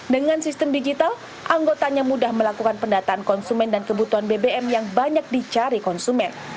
dengan sistem digital anggotanya mudah melakukan pendataan konsumen dan kebutuhan bbm yang banyak dicari konsumen